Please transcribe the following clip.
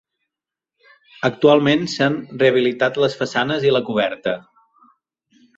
Actualment s'han rehabilitat les façanes i la coberta.